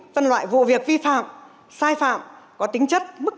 phân loại vụ việc vi phạm sai phạm có tính chất mức